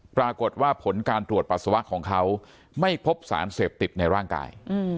ปรากฏว่าผลการตรวจปัสสาวะของเขาไม่พบสารเสพติดในร่างกาย